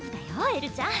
エルちゃん